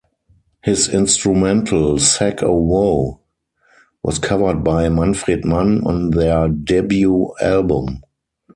His instrumental "Sack o' Woe" was covered by Manfred Mann on their debut album.